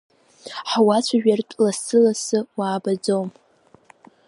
Ҳуацәажәартә лассы-лассы уаабаӡом.